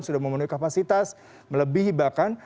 sudah memenuhi kapasitas melebihi bahkan